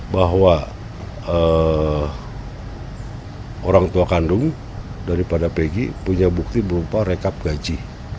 bahwa orang tua kandung daripada pegi punya bukti berupa rekap gaji